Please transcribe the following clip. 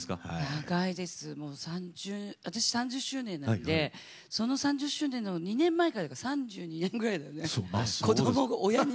私、３０周年なんでその３０周年の２年前からだから３２年くらいだね。